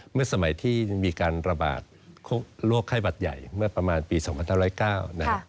เมื่อสมัยที่มีการระบาดโรคไข้หวัดใหญ่เมื่อประมาณปี๒๙๐๙นะครับ